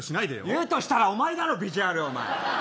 やるとしたらお前だろビジュアル。